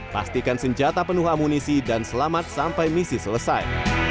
pastikan senjata penuh amunisi dan selamat sampai misi selesai